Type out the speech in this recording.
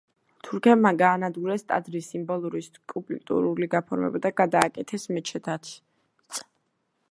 თურქებმა გაანადგურეს ტაძრის სიმბოლური სკულპტურული გაფორმება და გადააკეთეს მეჩეთად.